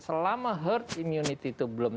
selama herd immunity itu belum